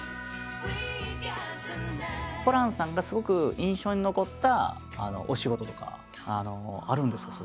ホランさんがすごく印象に残ったお仕事とかあるんですか？